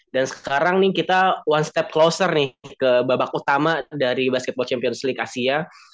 sekarang nih kita one step closer nih ke babak utama dari basketball champions league asia